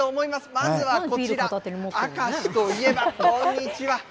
まずはこちら、明石といえば、こんにちは。